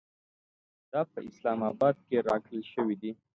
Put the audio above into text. دا په اسلام اباد کې راکړل شوې وې.